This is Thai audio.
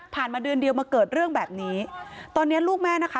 มาเดือนเดียวมาเกิดเรื่องแบบนี้ตอนเนี้ยลูกแม่นะคะ